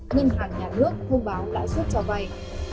ngân hàng nhà nước thông báo lãi suất cho vay